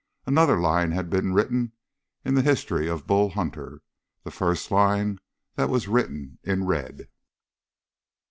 Another line had been written into the history of Bull Hunter the first line that was written in red.